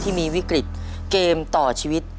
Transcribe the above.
ที่มีวิกฤตเกมต่อชีวิต